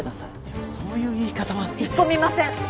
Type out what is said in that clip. いやそういう言い方は引っ込みません！